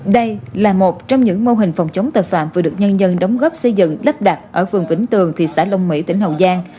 đây là một trong những mô hình phòng chống tội phạm vừa được nhân dân đóng góp xây dựng lắp đặt ở phường vĩnh tường thị xã long mỹ tỉnh hậu giang